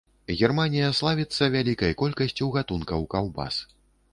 Германія славіцца вялікай колькасцю гатункаў каўбас.